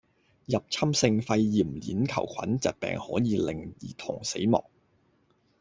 入侵性肺炎鏈球菌疾病可以令兒童死亡